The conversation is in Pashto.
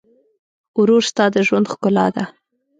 ورور ستا د ژوند ښکلا ده.